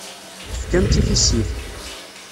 Tefkam-tt i tissit.